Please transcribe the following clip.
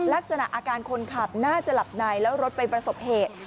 ลักษณะอาการคนขับน่าจะหลับในแล้วรถไปประสบเหตุ